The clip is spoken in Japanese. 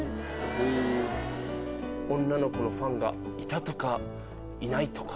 女の子のファンがいたとかいないとか。